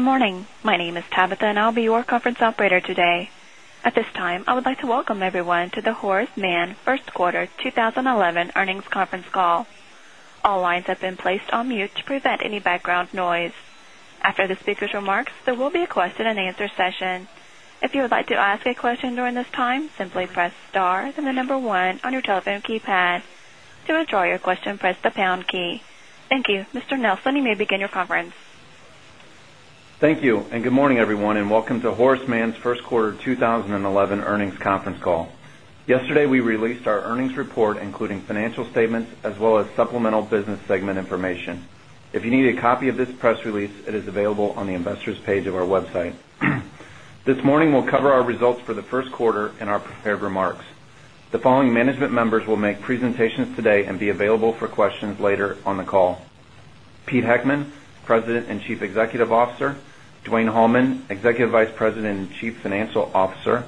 Good morning. My name is Tabitha, and I'll be your conference operator today. At this time, I would like to welcome everyone to the Horace Mann first quarter 2011 earnings conference call. All lines have been placed on mute to prevent any background noise. After the speaker's remarks, there will be a question and answer session. If you would like to ask a question during this time, simply press star, then the number one on your telephone keypad. To withdraw your question, press the pound key. Thank you. Mr. Nelson, you may begin your conference. Thank you, good morning, everyone, and welcome to Horace Mann's first quarter 2011 earnings conference call. Yesterday, we released our earnings report, including financial statements as well as supplemental business segment information. If you need a copy of this press release, it is available on the investor's page of our website. This morning, we'll cover our results for the first quarter and our prepared remarks. The following management members will make presentations today and be available for questions later on the call. Peter Heckman, President and Chief Executive Officer, Dwayne Hallman, Executive Vice President and Chief Financial Officer,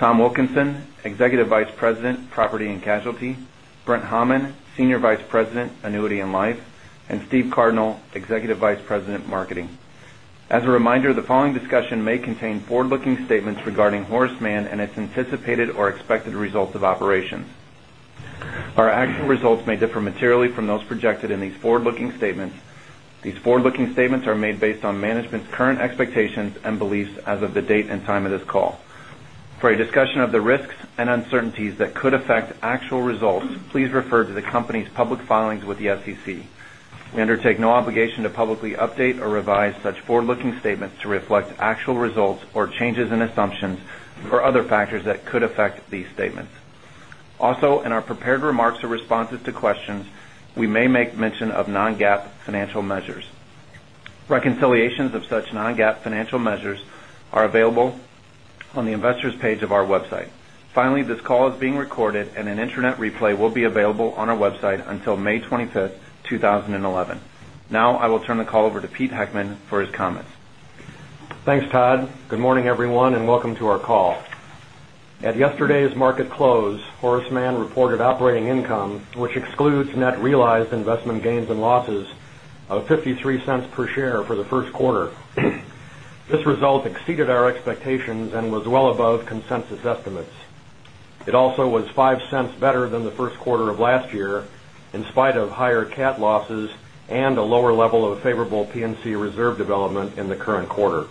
William J. Caldwell, Executive Vice President, Property and Casualty, Bret A. Conklin, Senior Vice President, Annuity and Life, and Stephen J. McAnena, Executive Vice President, Marketing. As a reminder, the following discussion may contain forward-looking statements regarding Horace Mann and its anticipated or expected results of operations. Our actual results may differ materially from those projected in these forward-looking statements. These forward-looking statements are made based on management's current expectations and beliefs as of the date and time of this call. For a discussion of the risks and uncertainties that could affect actual results, please refer to the company's public filings with the SEC. We undertake no obligation to publicly update or revise such forward-looking statements to reflect actual results or changes in assumptions or other factors that could affect these statements. Also, in our prepared remarks or responses to questions, we may make mention of non-GAAP financial measures. Reconciliations of such non-GAAP financial measures are available on the investor's page of our website. Finally, this call is being recorded, and an internet replay will be available on our website until May 25th, 2011. Now, I will turn the call over to Peter Heckman for his comments. Thanks, Todd. Good morning, everyone, and welcome to our call. At yesterday's market close, Horace Mann reported operating income, which excludes net realized investment gains and losses of $0.53 per share for the first quarter. This result exceeded our expectations and was well above consensus estimates. It also was $0.05 better than the first quarter of last year, in spite of higher cat losses and a lower level of favorable P&C reserve development in the current quarter.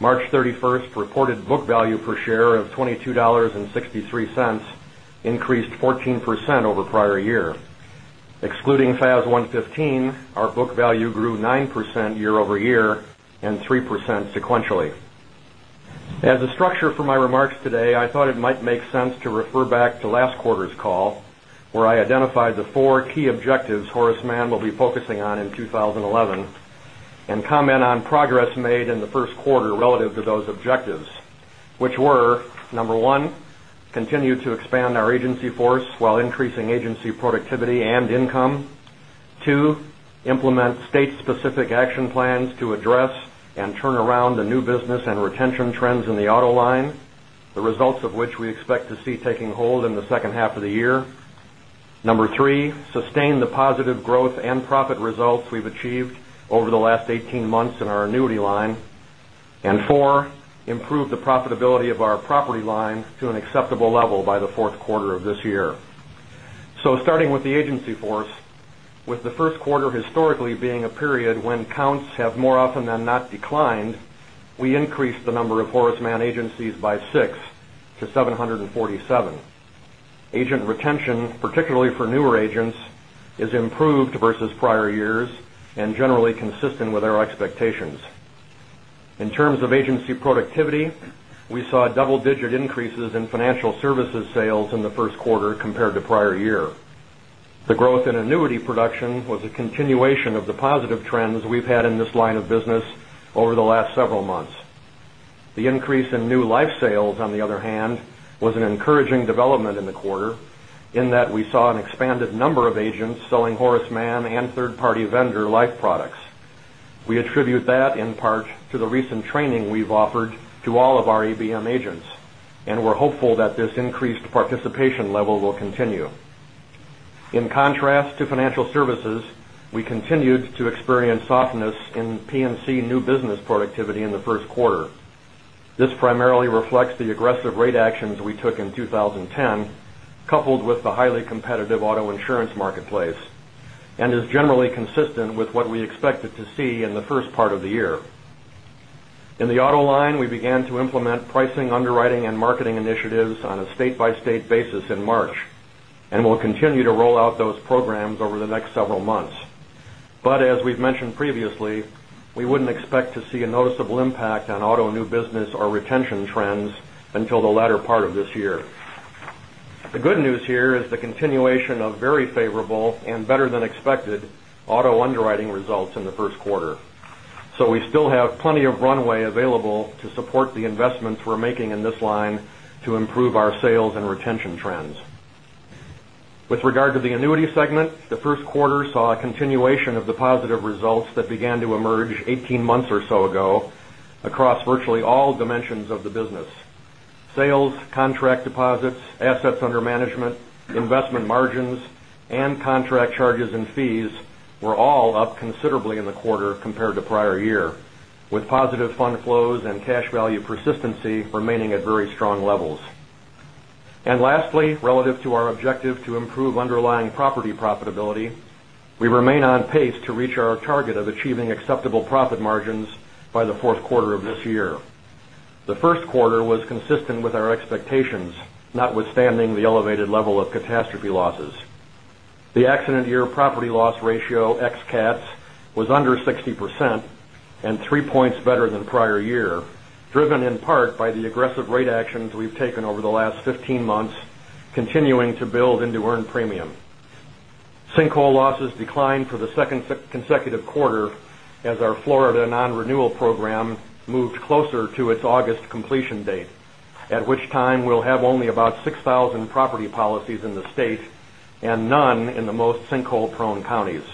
March 31st reported book value per share of $22.63 increased 14% over prior year. Excluding FAS 115, our book value grew 9% year-over-year and 3% sequentially. As a structure for my remarks today, I thought it might make sense to refer back to last quarter's call, where I identified the four key objectives Horace Mann will be focusing on in 2011 and comment on progress made in the first quarter relative to those objectives, which were: number one, continue to expand our agency force while increasing agency productivity and income. Two, implement state-specific action plans to address and turn around the new business and retention trends in the auto line, the results of which we expect to see taking hold in the second half of the year. Number three, sustain the positive growth and profit results we've achieved over the last 18 months in our annuity line. Four, improve the profitability of our property line to an acceptable level by the fourth quarter of this year. Starting with the agency force, with the first quarter historically being a period when counts have more often than not declined, we increased the number of Horace Mann agencies by six to 747. Agent retention, particularly for newer agents, is improved versus prior years and generally consistent with our expectations. In terms of agency productivity, we saw double-digit increases in financial services sales in the first quarter compared to prior year. The growth in annuity production was a continuation of the positive trends we've had in this line of business over the last several months. The increase in new life sales, on the other hand, was an encouraging development in the quarter in that we saw an expanded number of agents selling Horace Mann and third-party vendor life products. We attribute that in part to the recent training we've offered to all of our ABM agents. We're hopeful that this increased participation level will continue. In contrast to financial services, we continued to experience softness in P&C new business productivity in the first quarter. This primarily reflects the aggressive rate actions we took in 2010, coupled with the highly competitive auto insurance marketplace, and is generally consistent with what we expected to see in the first part of the year. In the auto line, we began to implement pricing, underwriting, and marketing initiatives on a state-by-state basis in March. We'll continue to roll out those programs over the next several months. As we've mentioned previously, we wouldn't expect to see a noticeable impact on auto new business or retention trends until the latter part of this year. The good news here is the continuation of very favorable and better-than-expected auto underwriting results in the first quarter. We still have plenty of runway available to support the investments we're making in this line to improve our sales and retention trends. With regard to the annuity segment, the first quarter saw a continuation of the positive results that began to emerge 18 months or so ago across virtually all dimensions of the business. Sales, contract deposits, assets under management, investment margins, and contract charges and fees were all up considerably in the quarter compared to prior year, with positive fund flows and cash value persistency remaining at very strong levels. Lastly, relative to our objective to improve underlying property profitability, we remain on pace to reach our target of achieving acceptable profit margins by the fourth quarter of this year. The first quarter was consistent with our expectations, notwithstanding the elevated level of catastrophe losses. The accident year property loss ratio, ex cats, was under 60% and three points better than prior year, driven in part by the aggressive rate actions we've taken over the last 15 months, continuing to build into earned premium. Sinkhole losses declined for the second consecutive quarter as our Florida non-renewal program moved closer to its August completion date, at which time we'll have only about 6,000 property policies in the state and none in the most sinkhole-prone counties.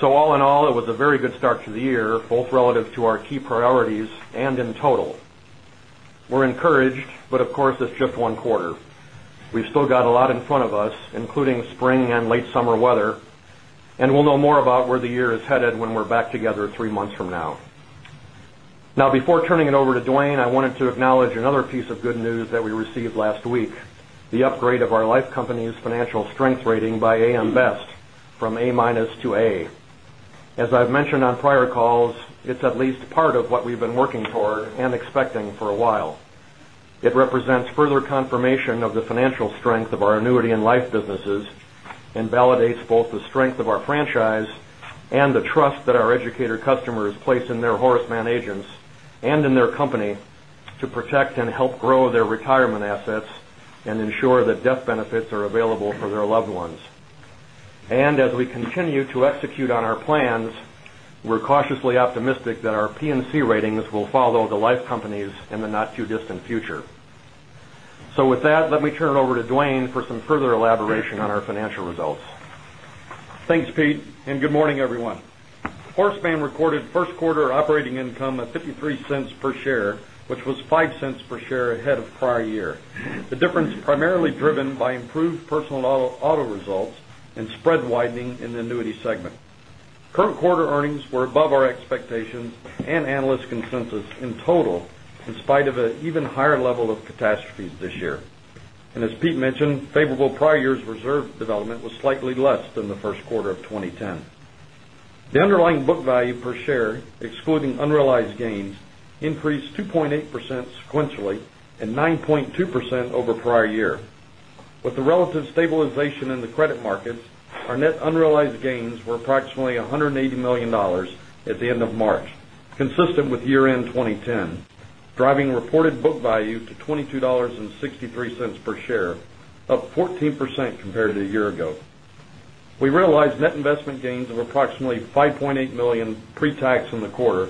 All in all, it was a very good start to the year, both relative to our key priorities and in total. Of course, it's just one quarter. We've still got a lot in front of us, including spring and late summer weather, and we'll know more about where the year is headed when we're back together three months from now. Before turning it over to Dwayne, I wanted to acknowledge another piece of good news that we received last week, the upgrade of our life company's financial strength rating by AM Best from A- to A. As I've mentioned on prior calls, it's at least part of what we've been working toward and expecting for a while. It represents further confirmation of the financial strength of our annuity and life businesses and validates both the strength of our franchise and the trust that our educator customers place in their Horace Mann agents and in their company to protect and help grow their retirement assets and ensure that death benefits are available for their loved ones. As we continue to execute on our plans, we're cautiously optimistic that our P&C ratings will follow the life companies in the not-too-distant future. With that, let me turn it over to Dwayne for some further elaboration on our financial results. Thanks, Pete, good morning, everyone. Horace Mann recorded first quarter operating income of $0.53 per share, which was $0.05 per share ahead of prior year. The difference primarily driven by improved personal auto results and spread widening in the annuity segment. Current quarter earnings were above our expectations and analyst consensus in total, in spite of an even higher level of catastrophes this year. As Pete mentioned, favorable prior year's reserve development was slightly less than the first quarter of 2010. The underlying book value per share, excluding unrealized gains, increased 2.8% sequentially and 9.2% over prior year. With the relative stabilization in the credit markets, our net unrealized gains were approximately $180 million at the end of March, consistent with year-end 2010, driving reported book value to $22.63 per share, up 14% compared to a year ago. We realized net investment gains of approximately $5.8 million pre-tax in the quarter,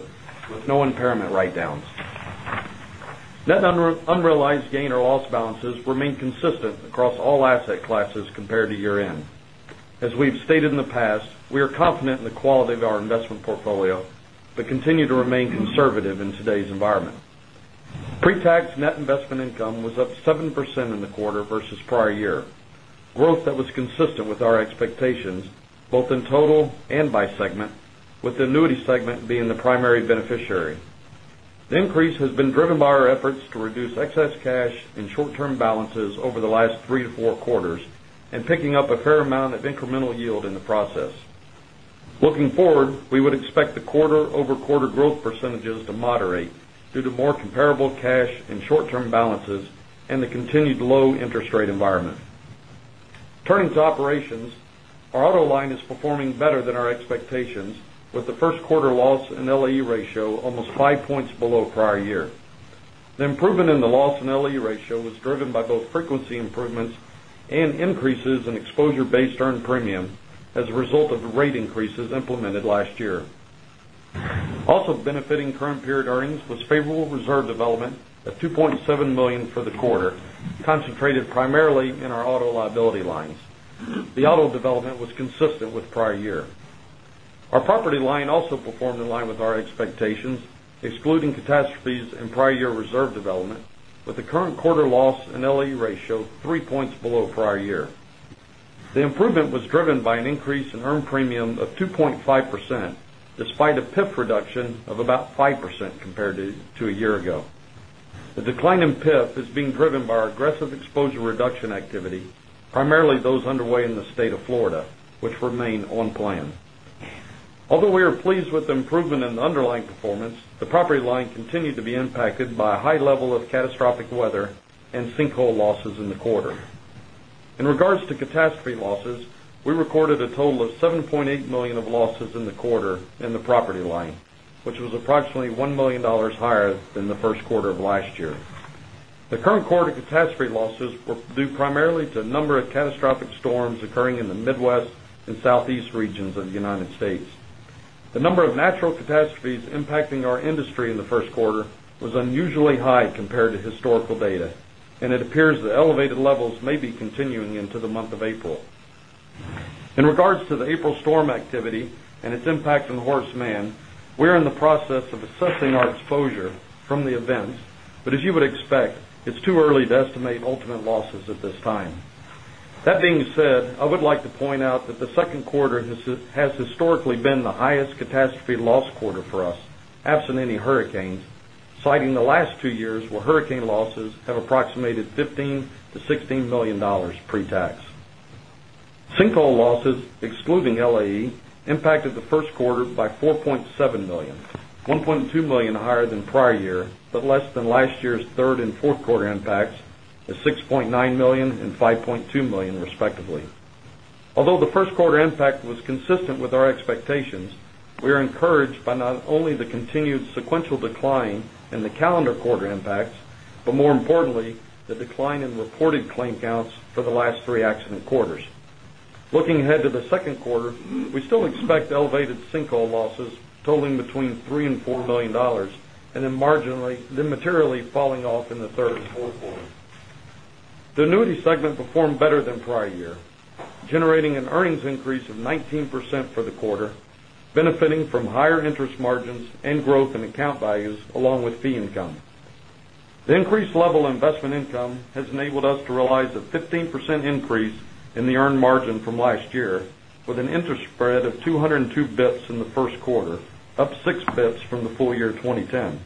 with no impairment write-downs. Net unrealized gain or loss balances remain consistent across all asset classes compared to year-end. As we've stated in the past, we are confident in the quality of our investment portfolio but continue to remain conservative in today's environment. Pre-tax net investment income was up 7% in the quarter versus prior year, growth that was consistent with our expectations, both in total and by segment, with the annuity segment being the primary beneficiary. The increase has been driven by our efforts to reduce excess cash and short-term balances over the last 3 to 4 quarters and picking up a fair amount of incremental yield in the process. Looking forward, we would expect the quarter-over-quarter growth percentages to moderate due to more comparable cash and short-term balances and the continued low interest rate environment. Turning to operations, our auto line is performing better than our expectations with the first quarter loss and LAE ratio almost 5 points below prior year. The improvement in the loss and LAE ratio was driven by both frequency improvements and increases in exposure-based earned premium as a result of the rate increases implemented last year. Also benefiting current period earnings was favorable reserve development of $2.7 million for the quarter, concentrated primarily in our auto liability lines. The auto development was consistent with prior year. Our property line also performed in line with our expectations, excluding catastrophes and prior year reserve development, with the current quarter loss and LAE ratio 3 points below prior year. The improvement was driven by an increase in earned premium of 2.5%, despite a PIF reduction of about 5% compared to a year ago. The decline in PIF is being driven by our aggressive exposure reduction activity, primarily those underway in the state of Florida, which remain on plan. Although we are pleased with the improvement in the underlying performance, the property line continued to be impacted by a high level of catastrophic weather and sinkhole losses in the quarter. In regards to catastrophe losses, we recorded a total of $7.8 million of losses in the quarter in the property line, which was approximately $1 million higher than the first quarter of last year. The current quarter catastrophe losses were due primarily to a number of catastrophic storms occurring in the Midwest and Southeast regions of the U.S. The number of natural catastrophes impacting our industry in the first quarter was unusually high compared to historical data, and it appears that elevated levels may be continuing into the month of April. In regards to the April storm activity and its impact on Horace Mann, we're in the process of assessing our exposure from the events. As you would expect, it's too early to estimate ultimate losses at this time. That being said, I would like to point out that the second quarter has historically been the highest catastrophe loss quarter for us, absent any hurricanes, citing the last 2 years where hurricane losses have approximated $15 million to $16 million pre-tax. Sinkhole losses, excluding LAE, impacted the first quarter by $4.7 million, $1.2 million higher than prior year, but less than last year's third and fourth quarter impacts of $6.9 million and $5.2 million respectively. Although the first quarter impact was consistent with our expectations, we are encouraged by not only the continued sequential decline in the calendar quarter impacts, but more importantly, the decline in reported claim counts for the last three accident quarters. Looking ahead to the second quarter, we still expect elevated sinkhole losses totaling between $3 million and $4 million, and then materially falling off in the third and fourth quarter. The Annuity segment performed better than prior year, generating an earnings increase of 19% for the quarter, benefiting from higher interest margins and growth in account values along with fee income. The increased level investment income has enabled us to realize a 15% increase in the earned margin from last year with an interest spread of 202 basis points in the first quarter, up 6 basis points from the full year 2010.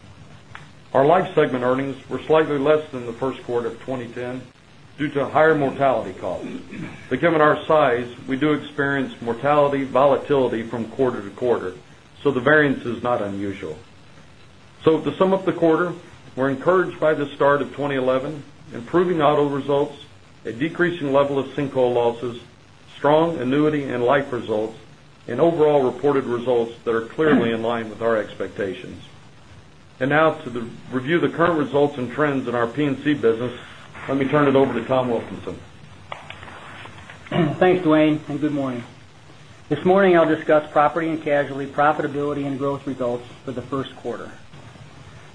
Our Life segment earnings were slightly less than the first quarter of 2010 due to higher mortality costs. Given our size, we do experience mortality volatility from quarter to quarter, the variance is not unusual. To sum up the quarter, we're encouraged by the start of 2011, improving auto results, a decrease in level of sinkhole losses, strong Annuity and Life results, and overall reported results that are clearly in line with our expectations. Now to review the current results and trends in our P&C business, let me turn it over to William J. Caldwell. Thanks, Dwayne, good morning. This morning I'll discuss property and casualty profitability and growth results for the first quarter.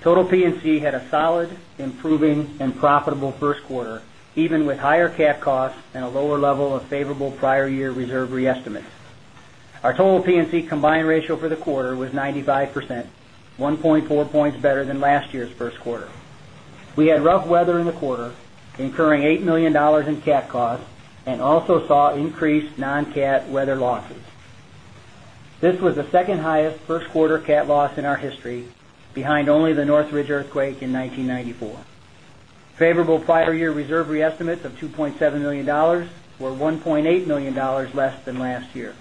Total P&C had a solid, improving, and profitable first quarter, even with higher cat costs and a lower level of favorable prior year reserve re-estimates. Our total P&C combined ratio for the quarter was 95%, 1.4 points better than last year's first quarter. We had rough weather in the quarter, incurring $8 million in cat costs and also saw increased non-cat weather losses. This was the second highest first quarter cat loss in our history, behind only the Northridge earthquake in 1994. Favorable prior year reserve re-estimates of $2.7 million were $1.8 million less than last year.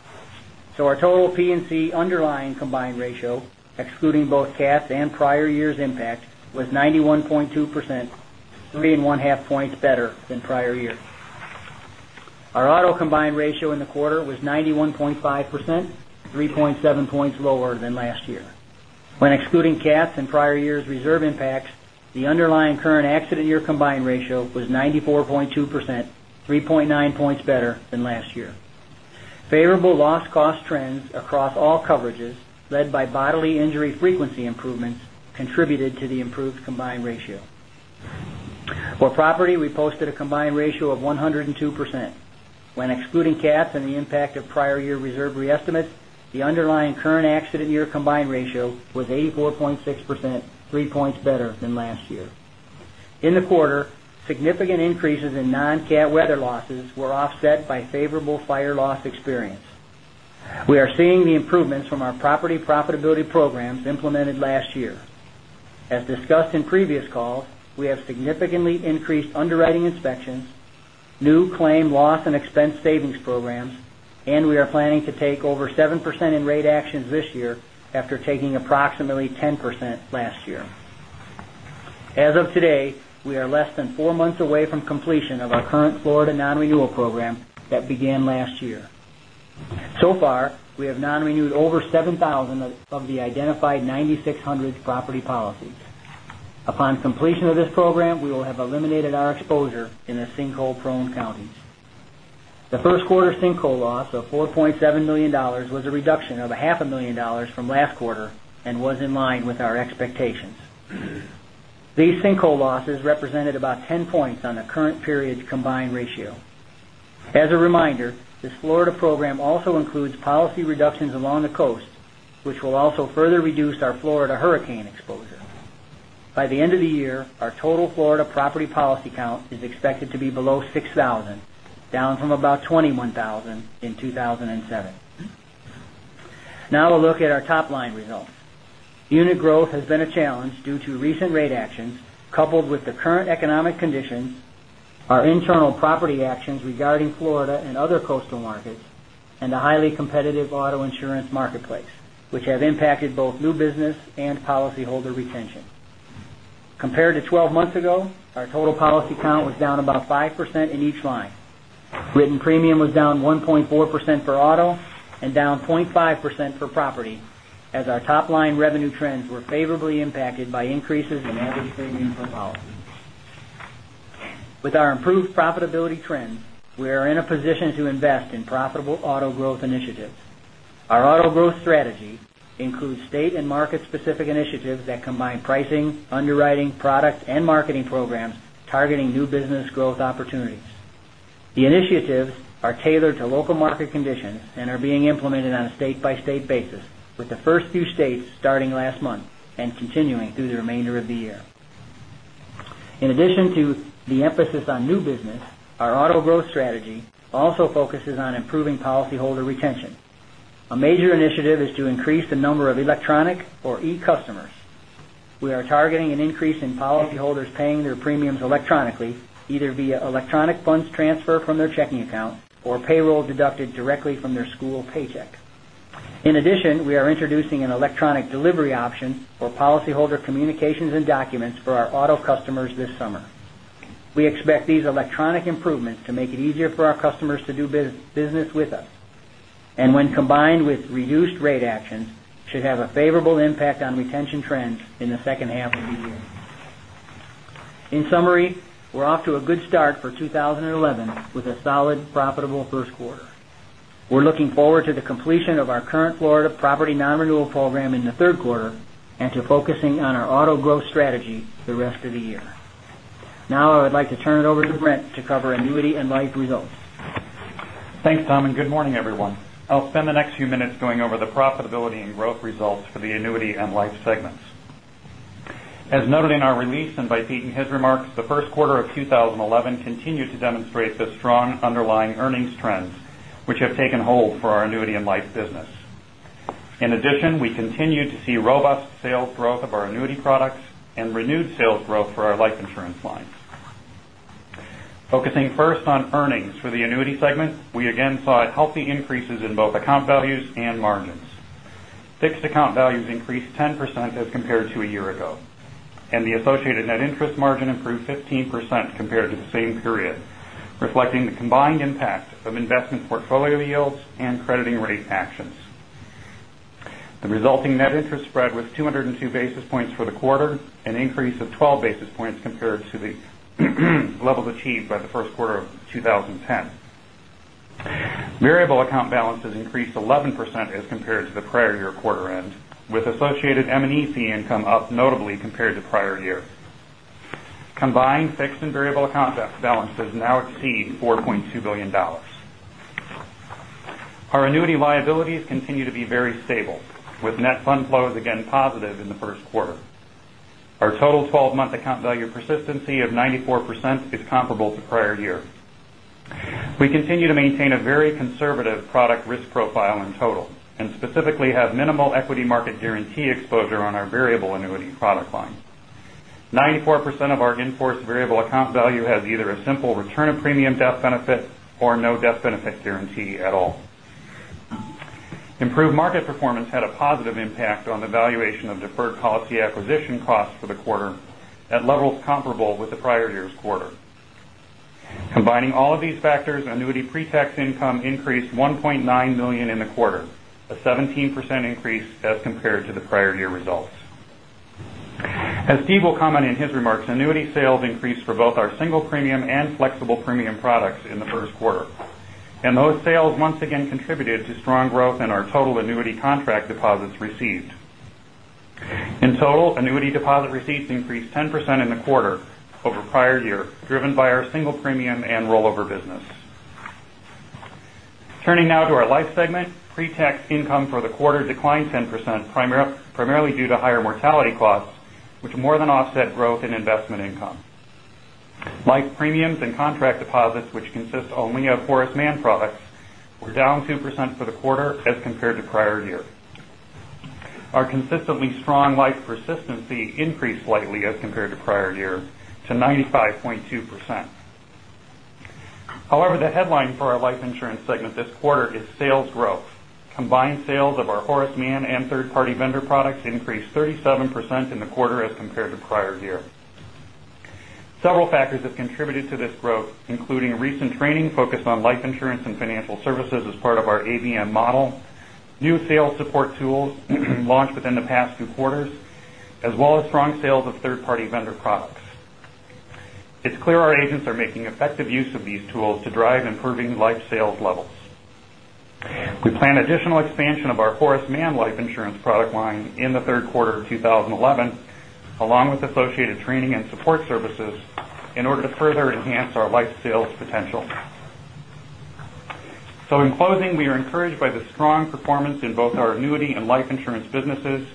Our total P&C underlying combined ratio, excluding both cat and prior year's impact, was 91.2%, 3.5 points better than prior year. Our auto combined ratio in the quarter was 91.5%, 3.7 points lower than last year. When excluding cats and prior year's reserve impacts, the underlying current accident year combined ratio was 94.2%, 3.9 points better than last year. Favorable loss cost trends across all coverages, led by bodily injury frequency improvements, contributed to the improved combined ratio. For property, we posted a combined ratio of 102%. When excluding cats and the impact of prior year reserve re-estimates, the underlying current accident year combined ratio was 84.6%, three points better than last year. In the quarter, significant increases in non-cat weather losses were offset by favorable fire loss experience. We are seeing the improvements from our property profitability programs implemented last year. As discussed in previous calls, we have significantly increased underwriting inspections, new claim loss and expense savings programs, and we are planning to take over 7% in rate actions this year after taking approximately 10% last year. As of today, we are less than four months away from completion of our current Florida non-renewal program that began last year. So far, we have non-renewed over 7,000 of the identified 9,600 property policies. Upon completion of this program, we will have eliminated our exposure in the sinkhole-prone counties. The first quarter sinkhole loss of $4.7 million was a reduction of a half a million dollars from last quarter and was in line with our expectations. These sinkhole losses represented about 10 points on the current period's combined ratio. As a reminder, this Florida program also includes policy reductions along the coast, which will also further reduce our Florida hurricane exposure. By the end of the year, our total Florida property policy count is expected to be below 6,000, down from about 21,000 in 2007. We'll look at our top-line results. Unit growth has been a challenge due to recent rate actions coupled with the current economic conditions, our internal property actions regarding Florida and other coastal markets, and the highly competitive auto insurance marketplace, which have impacted both new business and policyholder retention. Compared to 12 months ago, our total policy count was down about 5% in each line. Written premium was down 1.4% for auto and down 0.5% for property as our top-line revenue trends were favorably impacted by increases in average premium per policy. With our improved profitability trends, we are in a position to invest in profitable auto growth initiatives. Our auto growth strategy includes state and market-specific initiatives that combine pricing, underwriting, product, and marketing programs targeting new business growth opportunities. The initiatives are tailored to local market conditions and are being implemented on a state-by-state basis, with the first few states starting last month and continuing through the remainder of the year. In addition to the emphasis on new business, our auto growth strategy also focuses on improving policyholder retention. A major initiative is to increase the number of electronic or e-customers. We are targeting an increase in policyholders paying their premiums electronically, either via electronic funds transfer from their checking account or payroll deducted directly from their school paycheck. In addition, we are introducing an electronic delivery option for policyholder communications and documents for our auto customers this summer. We expect these electronic improvements to make it easier for our customers to do business with us, and when combined with reduced rate actions, should have a favorable impact on retention trends in the second half of the year. In summary, we're off to a good start for 2011 with a solid, profitable first quarter. We're looking forward to the completion of our current Florida property non-renewal program in the third quarter and to focusing on our auto growth strategy the rest of the year. I would like to turn it over to Bret to cover annuity and life results. Thanks, Tom, and good morning, everyone. I'll spend the next few minutes going over the profitability and growth results for the annuity and life segments. As noted in our release and by Peter in his remarks, the first quarter of 2011 continued to demonstrate the strong underlying earnings trends which have taken hold for our annuity and life business. In addition, we continue to see robust sales growth of our annuity products and renewed sales growth for our life insurance lines. Focusing first on earnings for the annuity segment, we again saw healthy increases in both account values and margins. Fixed account values increased 10% as compared to a year ago, and the associated net interest margin improved 15% compared to the same period, reflecting the combined impact of investment portfolio yields and crediting rate actions. The resulting net interest spread was 202 basis points for the quarter, an increase of 12 basis points compared to the levels achieved by the first quarter of 2010. Variable account balances increased 11% as compared to the prior year quarter end, with associated M&E fee income up notably compared to prior year. Combined fixed and variable account balances now exceed $4.2 billion. Our annuity liabilities continue to be very stable, with net fund flows again positive in the first quarter. Our total 12-month account value persistency of 94% is comparable to prior year. We continue to maintain a very conservative product risk profile in total and specifically have minimal equity market guarantee exposure on our variable annuity product line. 94% of our in-force variable account value has either a simple return of premium death benefit or no death benefit guarantee at all. Improved market performance had a positive impact on the valuation of deferred policy acquisition costs for the quarter at levels comparable with the prior year's quarter. Combining all of these factors, annuity pre-tax income increased $1.9 million in the quarter, a 17% increase as compared to the prior year results. As Steve will comment in his remarks, annuity sales increased for both our single premium and flexible premium products in the first quarter, and those sales once again contributed to strong growth in our total annuity contract deposits received. In total, annuity deposit receipts increased 10% in the quarter over prior year, driven by our single premium and rollover business. Turning now to our life segment, pre-tax income for the quarter declined 10%, primarily due to higher mortality costs, which more than offset growth in investment income. Life premiums and contract deposits, which consist only of Horace Mann products, were down 2% for the quarter as compared to prior year. Our consistently strong life persistency increased slightly as compared to prior year to 95.2%. However, the headline for our life insurance segment this quarter is sales growth. Combined sales of our Horace Mann and third-party vendor products increased 37% in the quarter as compared to prior year. Several factors have contributed to this growth, including recent training focused on life insurance and financial services as part of our ABM model, new sales support tools launched within the past few quarters, as well as strong sales of third-party vendor products. It's clear our agents are making effective use of these tools to drive improving life sales levels. We plan additional expansion of our Horace Mann life insurance product line in the third quarter of 2011, along with associated training and support services, in order to further enhance our life sales potential. In closing, we are encouraged by the strong performance in both our annuity and life insurance businesses.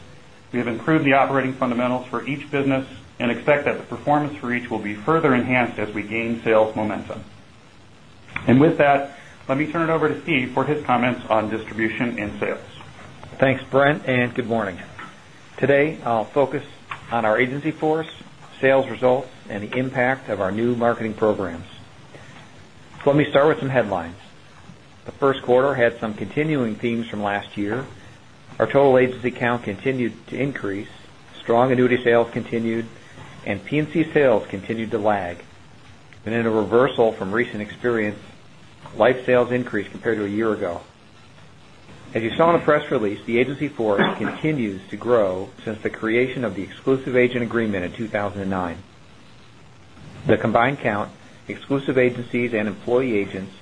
We have improved the operating fundamentals for each business and expect that the performance for each will be further enhanced as we gain sales momentum. With that, let me turn it over to Steve for his comments on distribution and sales. Thanks, Brent, and good morning. Today, I'll focus on our agency force, sales results, and the impact of our new marketing programs. Let me start with some headlines. The first quarter had some continuing themes from last year. Our total agency count continued to increase, strong annuity sales continued, and P&C sales continued to lag. In a reversal from recent experience, life sales increased compared to a year ago. As you saw in the press release, the agency force continues to grow since the creation of the exclusive agent agreement in 2009. The combined count, exclusive agencies and employee agents,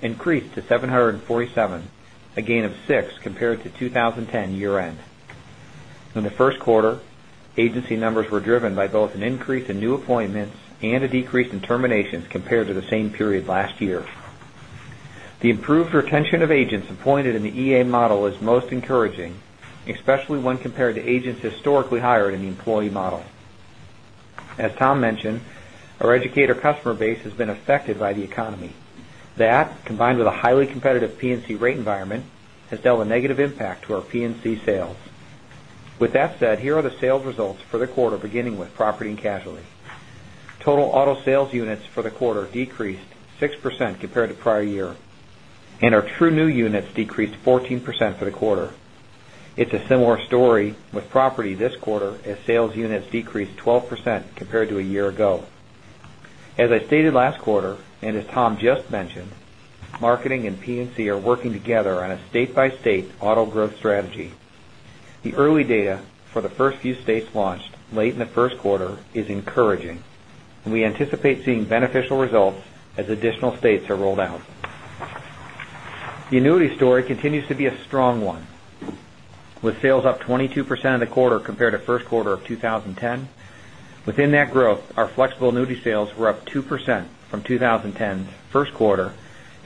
increased to 747, a gain of six compared to 2010 year-end. In the first quarter, agency numbers were driven by both an increase in new appointments and a decrease in terminations compared to the same period last year. The improved retention of agents appointed in the EA model is most encouraging, especially when compared to agents historically hired in the employee model. As Tom mentioned, our educator customer base has been affected by the economy. That, combined with a highly competitive P&C rate environment, has dealt a negative impact to our P&C sales. With that said, here are the sales results for the quarter, beginning with property and casualty. Total auto sales units for the quarter decreased 6% compared to prior year, and our true new units decreased 14% for the quarter. It's a similar story with property this quarter, as sales units decreased 12% compared to a year ago. As I stated last quarter, and as Tom just mentioned, marketing and P&C are working together on a state-by-state auto growth strategy. The early data for the first few states launched late in the first quarter is encouraging. We anticipate seeing beneficial results as additional states are rolled out. The annuity story continues to be a strong one, with sales up 22% in the quarter compared to first quarter of 2010. Within that growth, our flexible annuity sales were up 2% from 2010's first quarter,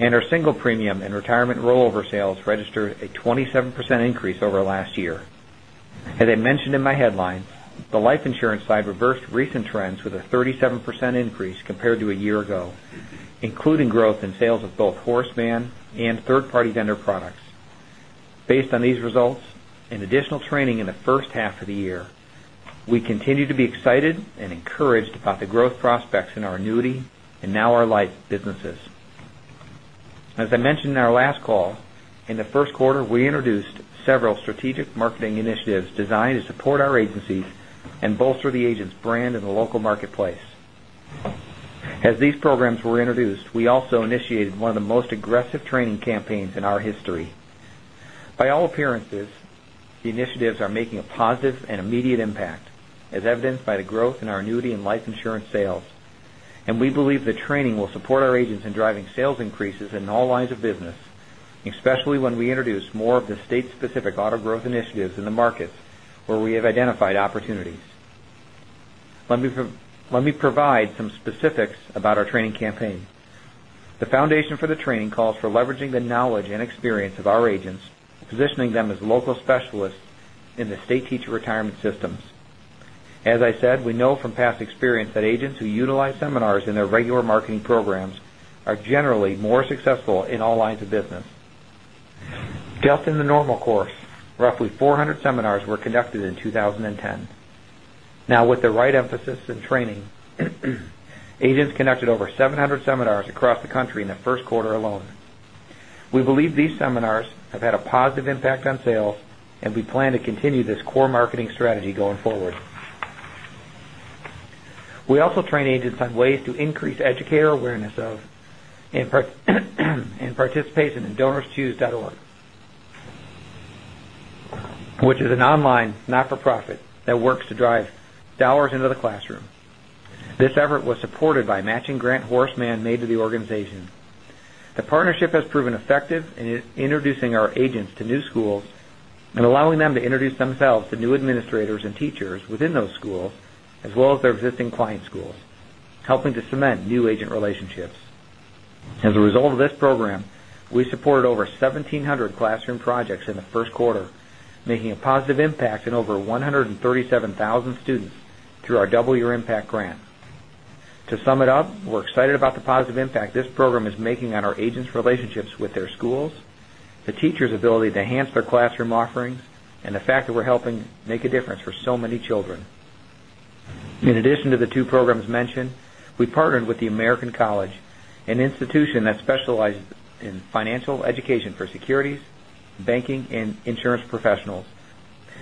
and our single premium and retirement rollover sales registered a 27% increase over last year. As I mentioned in my headlines, the life insurance side reversed recent trends with a 37% increase compared to a year ago, including growth in sales of both Horace Mann and third-party vendor products. Based on these results and additional training in the first half of the year, we continue to be excited and encouraged about the growth prospects in our annuity and now our life businesses. As I mentioned in our last call, in the first quarter, we introduced several strategic marketing initiatives designed to support our agencies and bolster the agent's brand in the local marketplace. As these programs were introduced, we also initiated one of the most aggressive training campaigns in our history. By all appearances, the initiatives are making a positive and immediate impact, as evidenced by the growth in our annuity and life insurance sales. We believe the training will support our agents in driving sales increases in all lines of business, especially when we introduce more of the state-specific auto growth initiatives in the markets where we have identified opportunities. Let me provide some specifics about our training campaign. The foundation for the training calls for leveraging the knowledge and experience of our agents, positioning them as local specialists in the state teacher retirement systems. As I said, we know from past experience that agents who utilize seminars in their regular marketing programs are generally more successful in all lines of business. Just in the normal course, roughly 400 seminars were conducted in 2010. Now, with the right emphasis and training, agents conducted over 700 seminars across the country in the first quarter alone. We believe these seminars have had a positive impact on sales, and we plan to continue this core marketing strategy going forward. We also train agents on ways to increase educator awareness of and participation in DonorsChoose.org, which is an online not-for-profit that works to drive dollars into the classroom. This effort was supported by a matching grant Horace Mann made to the organization. The partnership has proven effective in introducing our agents to new schools and allowing them to introduce themselves to new administrators and teachers within those schools, as well as their existing client schools, helping to cement new agent relationships. As a result of this program, we supported over 1,700 classroom projects in the first quarter, making a positive impact on over 137,000 students through our Double Your Impact grant. To sum it up, we're excited about the positive impact this program is making on our agents' relationships with their schools, the teachers' ability to enhance their classroom offerings, and the fact that we're helping make a difference for so many children. In addition to the two programs mentioned, we partnered with The American College, an institution that specializes in financial education for securities, banking, and insurance professionals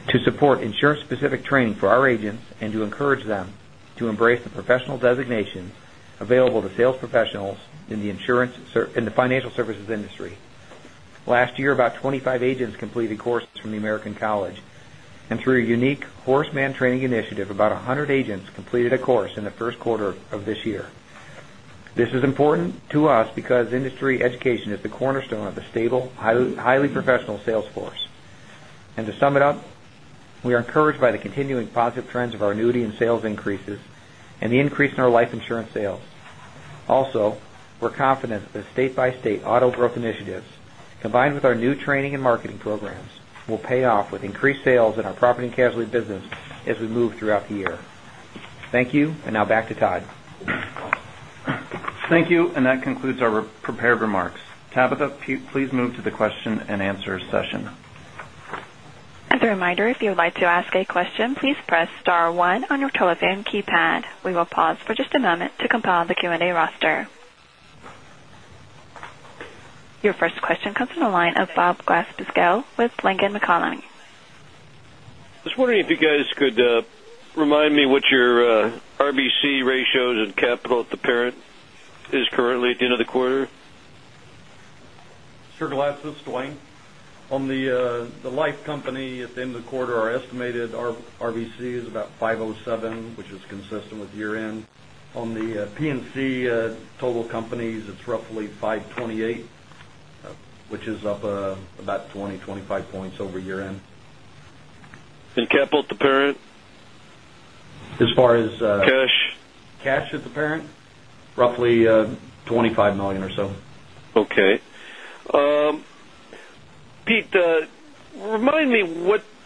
to support insurance-specific training for our agents and to encourage them to embrace the professional designations available to sales professionals in the financial services industry. Last year, about 25 agents completed courses from The American College, and through a unique Horace Mann training initiative, about 100 agents completed a course in the first quarter of this year. This is important to us because industry education is the cornerstone of a stable, highly professional sales force. To sum it up, we are encouraged by the continuing positive trends of our annuity and sales increases and the increase in our life insurance sales. We're confident that state-by-state auto growth initiatives, combined with our new training and marketing programs, will pay off with increased sales in our property and casualty business as we move throughout the year. Thank you, and now back to Todd. Thank you, that concludes our prepared remarks. Tabitha, please move to the question and answer session. As a reminder, if you would like to ask a question, please press star one on your telephone keypad. We will pause for just a moment to compile the Q&A roster. Your first question comes from the line of Bob Glasspiegel with Langen McAlenney. I was wondering if you guys could remind me what your RBC ratios and capital at the parent is currently at the end of the quarter? Sure, Glasspiegel, this is Dwayne. On the life company at the end of the quarter, our estimated RBC is about 507, which is consistent with year-end. On the P&C total companies, it's roughly 528, which is up about 20, 25 points over year-end. Capital at the parent? As far as- Cash. Cash at the parent? Roughly $25 million or so. Okay. Pete, remind me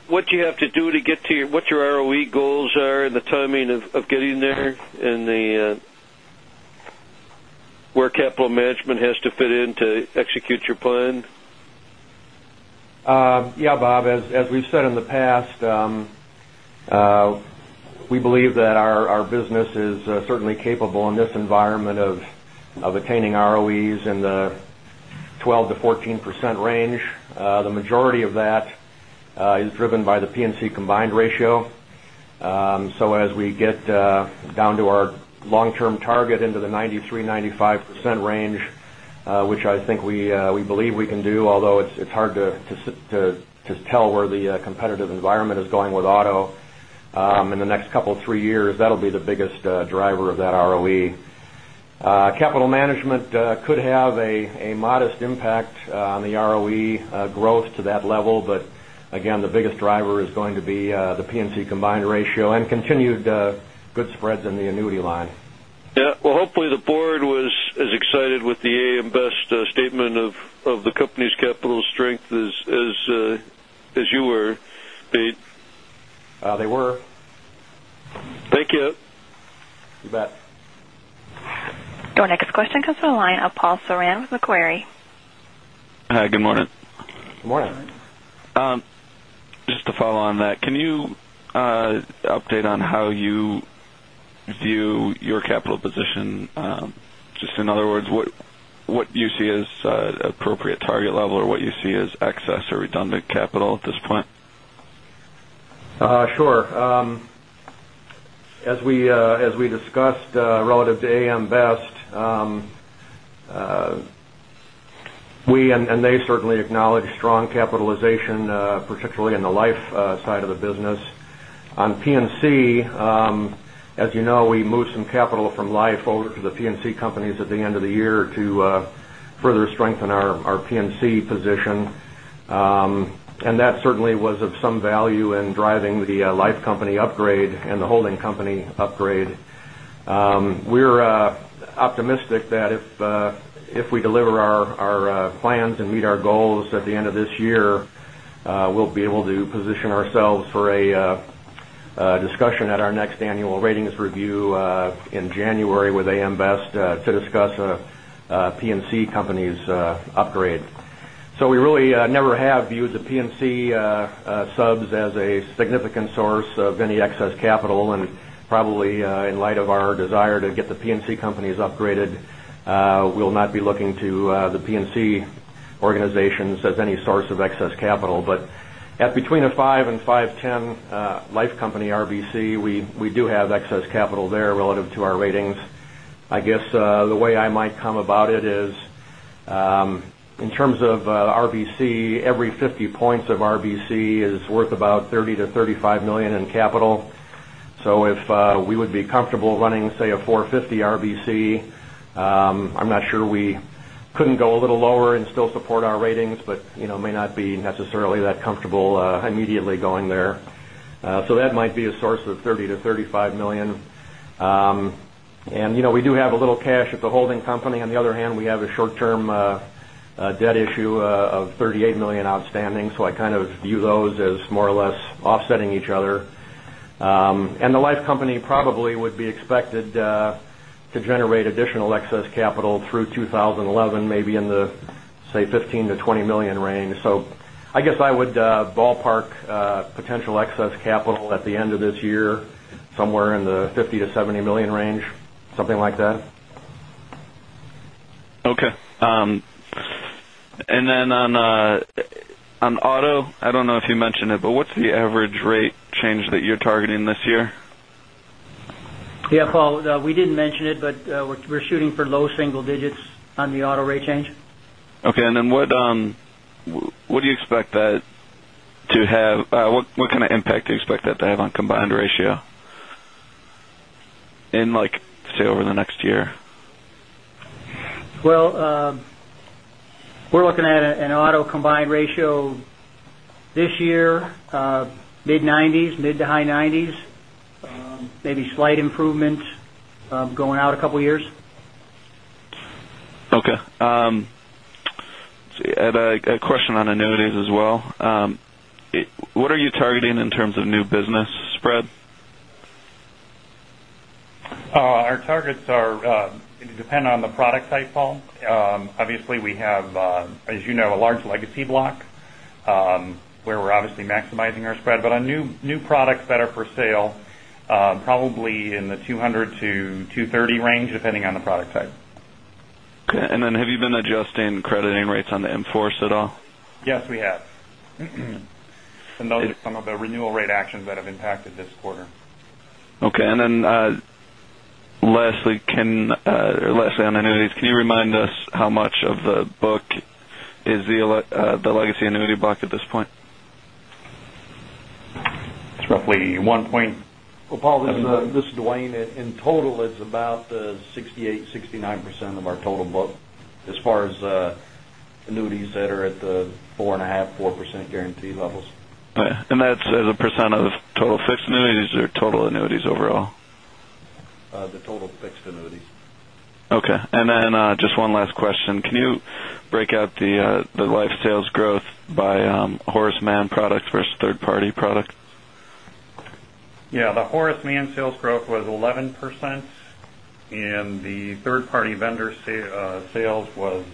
what you have to do to get to what your ROE goals are and the timing of getting there, and where capital management has to fit in to execute your plan. Yes, Bob, as we've said in the past, we believe that our business is certainly capable in this environment of attaining ROEs in the 12%-14% range. The majority of that is driven by the P&C combined ratio. As we get down to our long-term target into the 93%-95% range, which I think we believe we can do, although it's hard to tell where the competitive environment is going with auto in the next couple of three years, that'll be the biggest driver of that ROE. Capital management could have a modest impact on the ROE growth to that level. Again, the biggest driver is going to be the P&C combined ratio and continued good spreads in the annuity line. Yeah. Well, hopefully, the board was as excited with the AM Best statement of the company's capital strength as you were, Pete. They were. Thank you. You bet. Your next question comes from the line of Paul Sarran with Macquarie. Hi, good morning. Good morning. To follow on that, can you update on how you view your capital position? In other words, what you see as appropriate target level, or what you see as excess or redundant capital at this point? Sure. As we discussed, relative to AM Best, we, and they certainly acknowledge strong capitalization, particularly in the life side of the business. On P&C, as you know, we moved some capital from life over to the P&C companies at the end of the year to further strengthen our P&C position. That certainly was of some value in driving the life company upgrade and the holding company upgrade. We're optimistic that if we deliver our plans and meet our goals at the end of this year, we'll be able to position ourselves for a discussion at our next annual ratings review in January with AM Best to discuss a P&C company's upgrade. We really never have viewed the P&C subs as a significant source of any excess capital, and probably in light of our desire to get the P&C companies upgraded, we'll not be looking to the P&C organizations as any source of excess capital. At between a five and 5.10 life company RBC, we do have excess capital there relative to our ratings. I guess the way I might come about it is, in terms of RBC, every 50 points of RBC is worth about $30 million-$35 million in capital. If we would be comfortable running, say, a 450 RBC, I'm not sure we couldn't go a little lower and still support our ratings, but may not be necessarily that comfortable immediately going there. That might be a source of $30 million-$35 million. We do have a little cash at the holding company. On the other hand, we have a short-term debt issue of $38 million outstanding. I kind of view those as more or less offsetting each other. The life company probably would be expected to generate additional excess capital through 2011, maybe in the, say, $15 million-$20 million range. I guess I would ballpark potential excess capital at the end of this year, somewhere in the $50 million-$70 million range, something like that. Okay. On auto, I don't know if you mentioned it, but what's the average rate change that you're targeting this year? Yeah, Paul, we didn't mention it, we're shooting for low single digits on the auto rate change. Okay. What kind of impact do you expect that to have on combined ratio in, say, over the next year? Well, we're looking at an auto combined ratio this year, mid-90s, mid to high 90s. Maybe slight improvements going out a couple of years. Okay. I had a question on annuities as well. What are you targeting in terms of new business spread? Our targets are going to depend on the product type, Paul. Obviously, we have, as you know, a large legacy block, where we're obviously maximizing our spread. On new products that are for sale, probably in the 200 to 230 range, depending on the product type. Okay. Then have you been adjusting crediting rates on the in-force at all? Yes, we have. Those are some of the renewal rate actions that have impacted this quarter. Okay. Then lastly on annuities, can you remind us how much of the book is the legacy annuity book at this point? It's roughly one point- Well, Paul, this is Dwayne. In total, it's about 68%, 69% of our total book as far as annuities that are at the 4.5%, 4% guarantee levels. That's as a % of total fixed annuities or total annuities overall? The total fixed annuities. Okay. Just one last question. Can you break out the life sales growth by Horace Mann products versus third-party products? Yeah, the Horace Mann sales growth was 11%, and the third-party vendor sales was,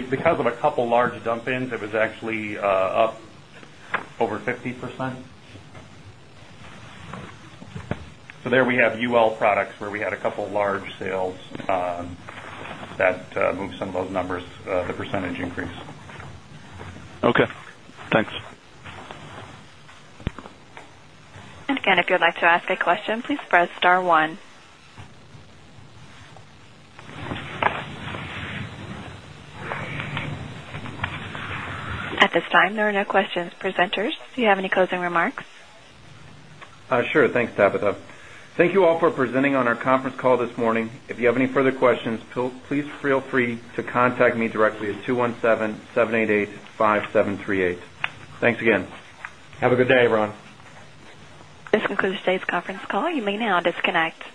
because of a couple of large dump ins, it was actually up over 50%. There we have UL products where we had a couple of large sales that moved some of those numbers, the % increase. Okay, thanks. Again, if you'd like to ask a question, please press star one. At this time, there are no questions. Presenters, do you have any closing remarks? Sure. Thanks, Tabitha. Thank you all for presenting on our conference call this morning. If you have any further questions, please feel free to contact me directly at 217-788-5738. Thanks again. Have a good day, everyone. This concludes today's conference call. You may now disconnect.